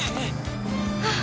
あっ。